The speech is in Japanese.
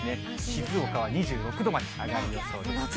静岡は２６度まで上がる予想です。